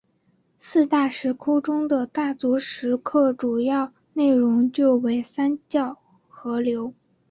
四大石窟中的大足石刻主要内容就为三教合流。